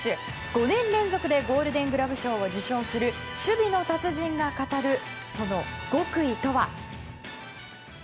５年連続でゴールデン・グラブ賞を受賞する守備の達人が語るその極意とは。